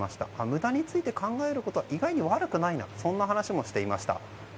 無駄について考えることは意外に悪くないなそんな話をしていました。